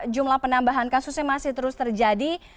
jumlah penambahan kasusnya masih terus terjadi